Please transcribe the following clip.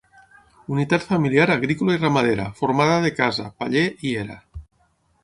Unitat familiar agrícola i ramadera formada de casa, paller i era.